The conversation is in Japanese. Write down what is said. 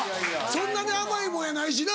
そんなに甘いもんやないしな。